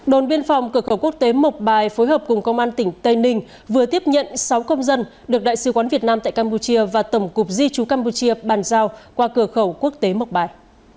đồn biên phòng cửa khẩu quốc tế mộc bài phối hợp cùng công an tỉnh tây ninh vừa tiếp nhận sáu công dân được đại sứ quán việt nam tại campuchia và tổng cụp di chú campuchia bàn giao qua cửa khẩu quốc tế mộc bài